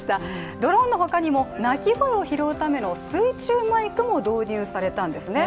ドローンの他にも鳴き声を拾うための水中マイクも採用されたんですね。